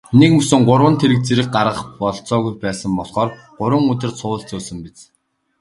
Нэгмөсөн гурван тэрэг зэрэг гаргах бололцоогүй байсан болохоор гурван өдөр цувуулж зөөсөн биз.